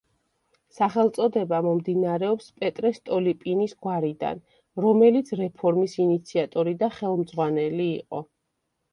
სახელწოდება მომდინარეობს პეტრე სტოლიპინის გვარიდან, რომელიც რეფორმის ინიციატორი და ხელმძღვანელი იყო.